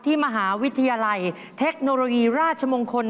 มหาวิทยาลัยเทคโนโลยีราชมงคล